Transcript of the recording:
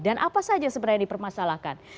dan apa saja sebenarnya yang dipermasalahkan